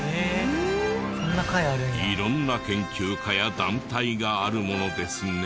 色んな研究家や団体があるものですね。